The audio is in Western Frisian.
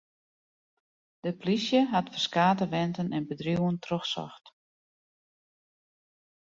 De polysje hat ferskate wenten en bedriuwen trochsocht.